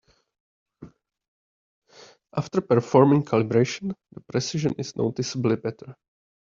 After performing calibration, the precision is noticeably better.